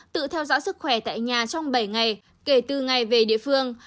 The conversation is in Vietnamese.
tự theo dõi sức khỏe tại nhà trong bảy ngày kể từ ngày về địa phương